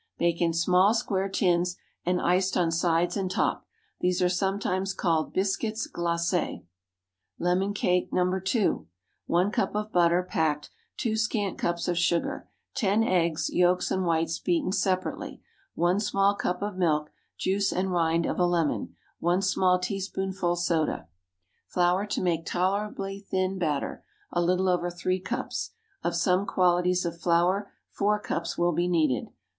Baked in small square tins, and iced on sides and top, these are sometimes called biscuits glacés. LEMON CAKE (No. 2.) 1 cup of butter (packed). 2 scant cups of sugar. 10 eggs, yolks and whites beaten separately. 1 small cup of milk. Juice and rind of a lemon. 1 small teaspoonful soda. Flour to make tolerably thin batter (a little over three cups). Of some qualities of flour four cups will be needed.